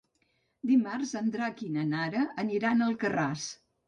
Dimarts en Drac i na Nara aniran a Alcarràs.